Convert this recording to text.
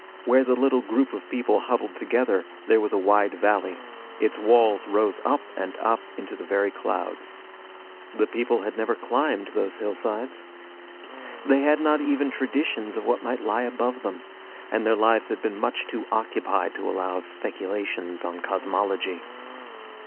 Where the little group of people huddled together, there was a wide valley. Its walls rose up and up into the very clouds. The people had never climbed those hillsides. They had not even traditions of what might lie above them, and their lives had been much too occupied to allow of speculations on cosmology.